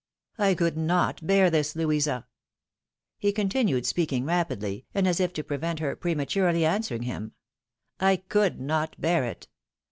I could not bear this, Louisa !" he continued, speak ing rapidly, and as if to prevent her prematurely answering him ;" I could not bear it.